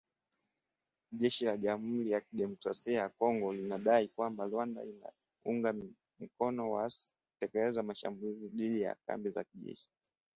Jeshi la Jamhuri ya Kidemokrasia ya Kongo limedai kwamba Rwanda inawaunga mkono waasi kutekeleza mashambulizi dhidi ya kambi za jeshi